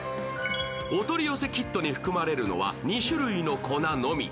お取り寄せキットに含まれるのは２種類の粉のみ。